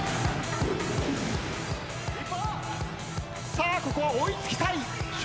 さあここは追い付きたい笑